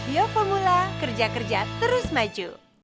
yo formula kerja kerja terus maju